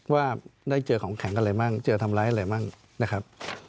ว่าได้เจอของแข็งอะไรมั่งเจอทำร้ายอะไรมั่งนะครับ